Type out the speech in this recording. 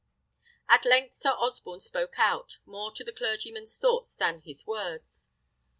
At length Sir Osborne spoke out, more to the clergyman's thoughts than his words.